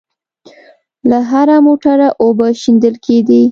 له هره موټره اوبه شېندل کېدې.